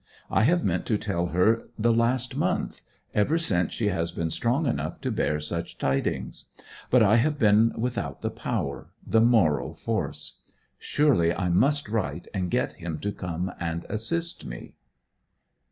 I have meant to tell her the last month ever since she has been strong enough to bear such tidings; but I have been without the power the moral force. Surely I must write, and get him to come and assist me.